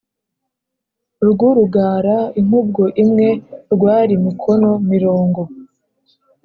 Rw urugara inkubwo imwe rwari mikono mirongo